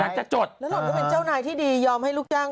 จะจดแล้วหนก็เป็นเจ้านายที่ดียอมให้ลูกจ้าง